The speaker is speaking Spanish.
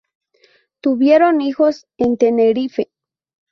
Tuvieron hijos en Tenerife.